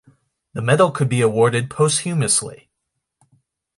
The medal could be awarded posthumously.